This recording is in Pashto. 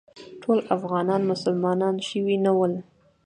ټول افغانان مسلمانان شوي نه ول.